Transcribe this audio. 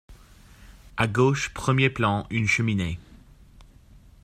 À gauche, premier plan, une cheminée.